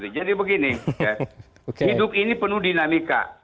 jadi begini hidup ini penuh dinamika